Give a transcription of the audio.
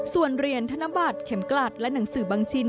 ส่วนเหรียญธนบัตรเข็มกลัดและหนังสือบางชิ้น